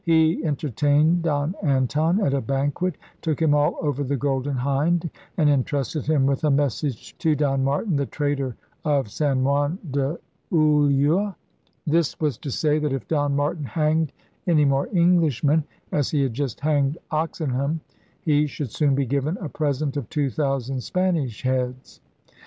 He enter tained Don Anton at a banquet, took him all over the Golden Hindy and entrusted him with a mes sage to Don Martin, the traitor of San Juan de * ENCOMPASSMENT OF ALL THE WORLDE ' 135 Ulua. This was to say that if Don Martin hanged any more Englishmen, as he had just hanged Oxenham, he should soon be given a present of two thousand Spanish heads.